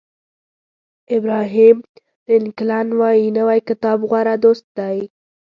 ابراهیم لینکلن وایي نوی کتاب غوره دوست دی.